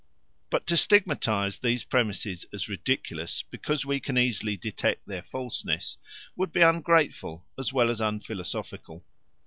But to stigmatise these premises as ridiculous because we can easily detect their falseness, would be ungrateful as well as unphilosophical.